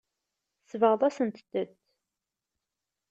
Tsebɣeḍ-asent-tent.